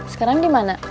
sekarang di mana